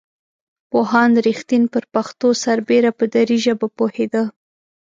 پوهاند رښتین پر پښتو سربېره په دري ژبه پوهېده.